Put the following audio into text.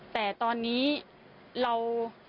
แต่ตอนนี้เรา